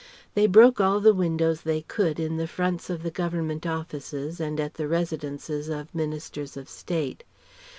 They broke all the windows they could in the fronts of the Government offices and at the residences of Ministers of State.